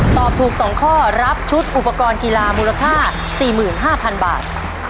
ตอบถูก๒ข้อรับชุดอุปกรณ์กีฬามูลค่า๔๕๐๐๐บาท